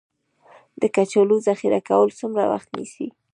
د کچالو ذخیره کول څومره وخت نیسي؟